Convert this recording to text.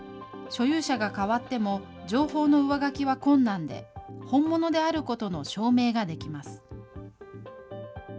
所有者が代わっても、情報の上書きは困難で、本物であることの証明ができます。